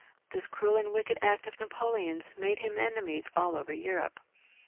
This cruel and wicked act of Napoleon's made him enemies all over Europe.